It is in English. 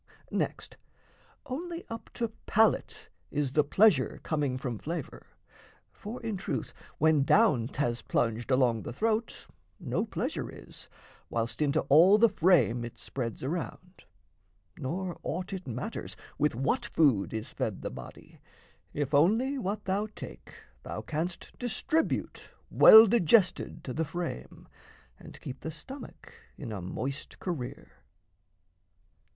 Next, only up to palate is the pleasure Coming from flavour; for in truth when down 'Thas plunged along the throat, no pleasure is, Whilst into all the frame it spreads around; Nor aught it matters with what food is fed The body, if only what thou take thou canst Distribute well digested to the frame And keep the stomach in a moist career.